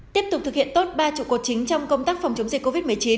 tiếp tục thực hiện tốt ba trụ cột chính trong công tác phòng chống dịch covid một mươi chín